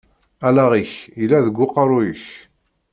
Allaɣ-ik yella deg uqerru-k.